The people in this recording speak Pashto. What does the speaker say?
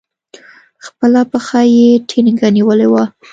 خپله پښه يې ټينگه نيولې وه.